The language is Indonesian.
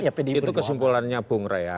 itu kesimpulannya bung raya